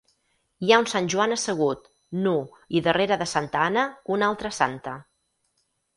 Hi ha un Sant Joan assegut, nu, i darrere de Santa Anna, una altra santa.